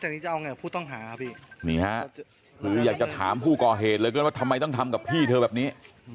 นี่ฮะอยากจะถามผู้ก่อเหตุเลยกันว่าทำไมต้องทำกับพี่เธอแบบนี้